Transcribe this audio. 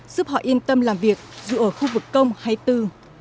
giúp họ yên tâm làm việc dù ở khu vực công hay tư